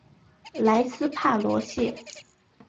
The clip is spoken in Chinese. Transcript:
莱斯帕罗谢。